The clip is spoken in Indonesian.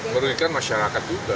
merugikan masyarakat juga